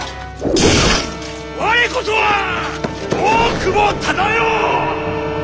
我こそは大久保忠世！